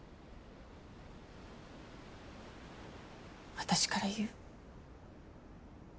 私から言う？